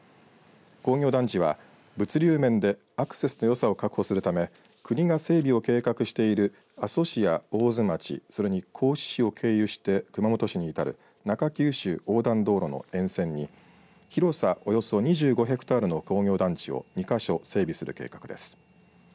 工業団地は物流面でアクセスのよさを確保するため国が整備を計画している阿蘇市や大津町、それに合志市を経由して熊本市に至る中九州横断道路の沿線に広さおよそ２５ヘクタールの工業団地を２か所整備する計画です。